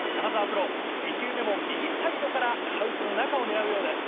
プロ２球目も右サイドからハウスの中を狙うようです。